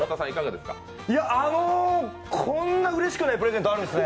あのこんなうれしくないプレゼントあるんですね。